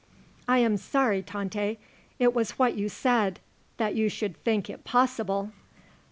"I am sorry, Tante. It was what you said. That you should think it possible."